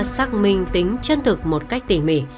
xác minh tính chân thực một cách tỉ mỉ